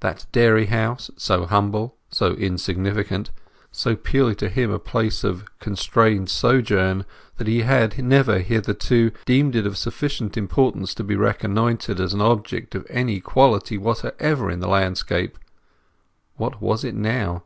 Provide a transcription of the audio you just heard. The dairy house, so humble, so insignificant, so purely to him a place of constrained sojourn that he had never hitherto deemed it of sufficient importance to be reconnoitred as an object of any quality whatever in the landscape; what was it now?